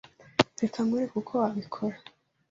Reka nkwereke uko wabikora.